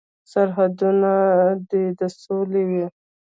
سرحدونه دې د سولې وي.